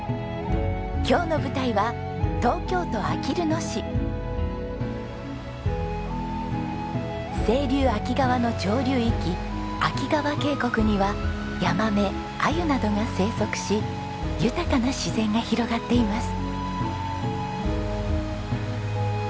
今日の舞台は清流秋川の上流域秋川渓谷にはヤマメアユなどが生息し豊かな自然が広がっています。